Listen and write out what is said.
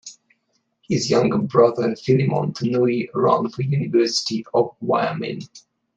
His younger brother, Philemon Tanui run for University of Wyoming.